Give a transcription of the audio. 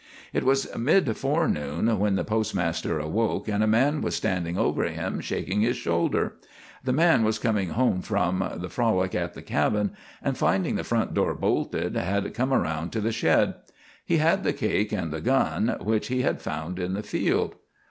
It was mid forenoon when the postmaster awoke, and a man was standing over him, shaking his shoulder. The man was coming home from, the frolic at the cabin, and finding the front door bolted, had come around to the shed. He had the cake and the gun, which he had found in the field.